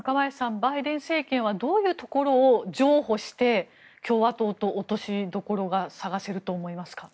バイデン政権はどういうところを譲歩して共和党と落としどころが探せると思いますか？